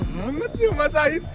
sangat ya mas sahid